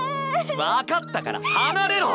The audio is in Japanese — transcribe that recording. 分かったから離れろ！